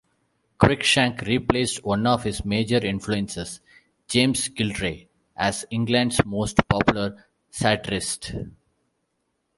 Cruikshank replaced one of his major influences, James Gillray, as England's most popular satirist.